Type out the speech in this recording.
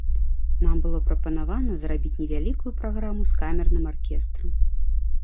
Нам было прапанавана зрабіць невялікую праграму з камерным аркестрам.